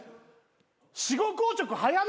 死後硬直早ない？